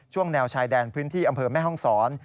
แนวชายแดนพื้นที่อำเภอแม่ห้องศร